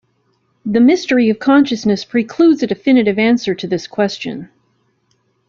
The mystery of consciousness precludes a definitive answer to this question.